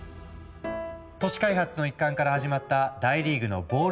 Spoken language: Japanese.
都市開発の一環から始まった大リーグのボール